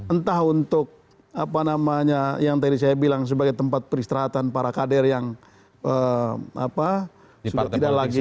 entah untuk apa namanya yang tadi saya bilang sebagai tempat peristirahatan para kader yang sudah tidak lagi